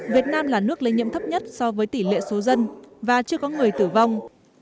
việt nam là nước lây nhiễm thấp nhất so với tỷ lệ số dân và chưa có người tử vong